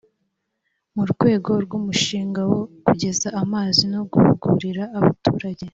mu rwego rw umushinga wo kugeza amazi no guhugurira abaturage